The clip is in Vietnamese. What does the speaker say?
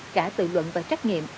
cả tự luận và trắc nghiệm